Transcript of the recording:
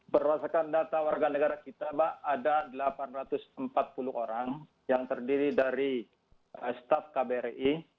berdasarkan data warga negara kita mbak ada delapan ratus empat puluh orang yang terdiri dari staff kbri